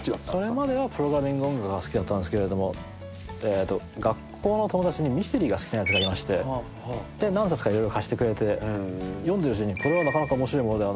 それまではプログラミング音楽が好きだったんですけれども学校の友達にミステリーが好きなやつがいましてで何冊か色々貸してくれて読んでるうちにこれはなかなか面白いものではないか。